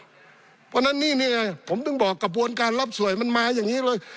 เพราะฉะนั้นนี่ไงผมถึงบอกกระบวนการรับสวยมันมาอย่างนี้เลย